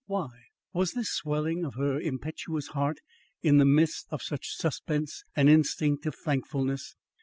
Why? Was this swelling of her impetuous heart in the midst of such suspense an instinct of thankfulness?